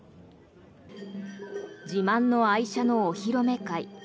自慢の愛車のお披露目会。